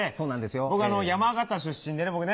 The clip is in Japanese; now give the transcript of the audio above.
僕山形出身でね。